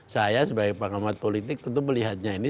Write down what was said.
saya sebagai pengamat politik tentu melihatnya ini